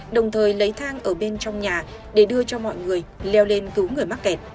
đồng thời lấy thang ở bên trong nhà để đưa cho mọi người leo lên cứu người mắc kẹt